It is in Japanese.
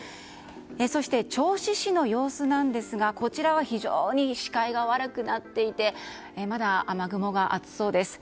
そして、銚子市の様子ですがこちらは非常に視界が悪くなっていてまだ雨雲が厚そうです。